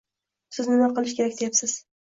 Siz nima qilish kerak deyapsiz.